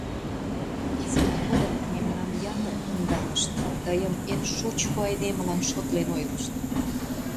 Изина годым мемнам ятыр ондалышт, тыйым эн шучко айдемылан шотлен ойлышт.